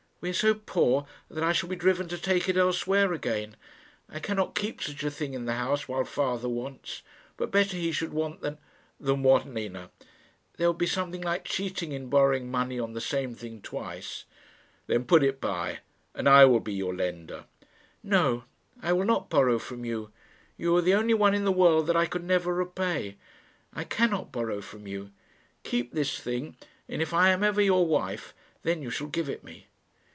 "We are so poor that I shall be driven to take it elsewhere again. I cannot keep such a thing in the house while father wants. But better he should want than " "Than what, Nina?" "There would be something like cheating in borrowing money on the same thing twice." "Then put it by, and I will be your lender." "No; I will not borrow from you. You are the only one in the world that I could never repay. I cannot borrow from you. Keep this thing, and if I am ever your wife, then you shall give it me."